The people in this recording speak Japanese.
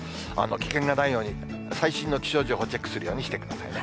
危険がないように、最新の気象情報チェックするようにしてくださいね。